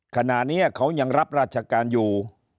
ขณะนี้เขายังรับราชการอยู่